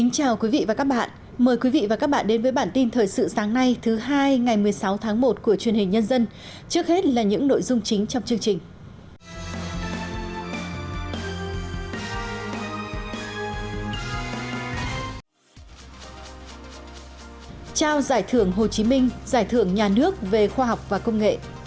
chào mừng quý vị đến với bản tin thời sự sáng nay thứ hai ngày một mươi sáu tháng một của truyền hình nhân dân